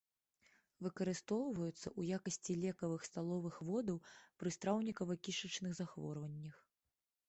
Выкарыстоўваюцца ў якасці лекавых сталовых водаў пры страўнікава-кішачных захворваннях.